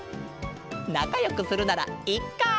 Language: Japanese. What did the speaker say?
なかよくするならいっか！